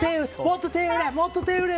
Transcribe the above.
もっと手、振れ！